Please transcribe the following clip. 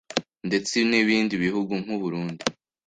ndetse n’ibindi bihugu nk’u Burundi